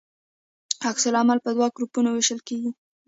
عکس العمل په دوه ګروپونو ویشل کیږي.